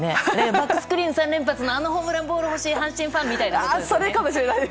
バックスクリーン３連発のあのホームランボールも阪神ファンみたいなことですね。